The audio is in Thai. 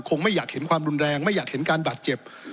ไม่อยากเห็นความรุนแรงไม่อยากเห็นการบาดเจ็บ